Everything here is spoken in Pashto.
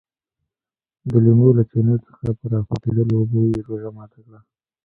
د لیمو له چینو څخه په راخوټېدلو اوبو یې روژه ماته کړه.